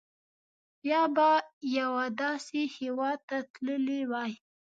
یا به یوه داسې هېواد ته تللي وای.